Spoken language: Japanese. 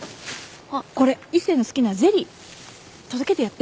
これ一星の好きなゼリー。届けてやって。